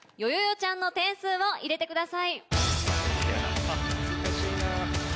ちゃんの点数を入れてください。